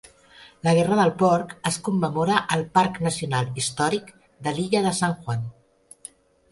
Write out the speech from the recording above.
La guerra del porc es commemora al Parc Nacional Històric de l'illa de San Juan.